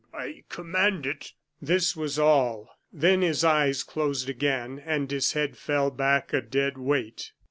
I command it." This was all; then his eyes closed again, and his head fell back a dead weight.